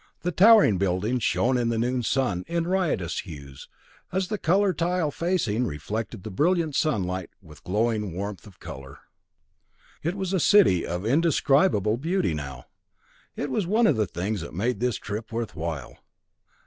The towering buildings shone in the noon sun in riotous hues as the colored tile facing reflected the brilliant sunlight with glowing warmth of color. It was a city of indescribable beauty now. It was one of the things that made this trip worthwhile.